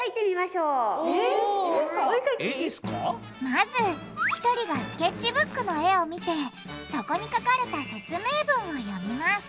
まず１人がスケッチブックの絵を見てそこに書かれた説明文を読みます。